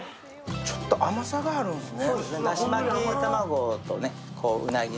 ちょっと甘さがあるんすね。